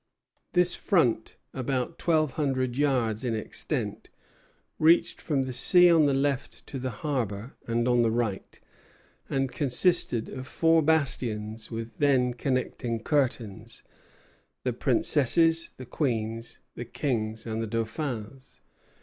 This front, about twelve hundred yards in extent, reached from the sea on the left to the harbor on the right, and consisted of four bastions with their connecting curtains, the Princess's, the Queen's, the King's, and the Dauphin's.